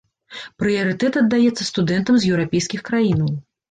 Прыярытэт аддаецца студэнтам з еўрапейскіх краінаў.